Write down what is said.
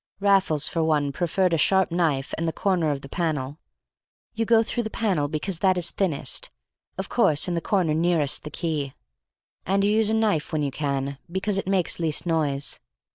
Raffles for one preferred a sharp knife and the corner of the panel. You go through the panel because that is thinnest, of course in the corner nearest the key, and you use a knife when you can, because it makes least noise.